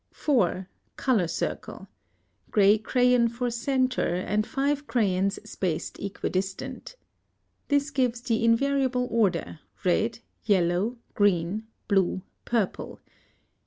4. Color circle. Gray crayon for centre, and five crayons spaced equidistant. This gives the invariable order, red, yellow, green, blue, purple.